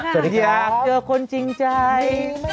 สวัสดีครับอยากเจอคนจริงจ่าย